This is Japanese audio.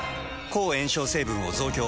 抗炎症成分を増強。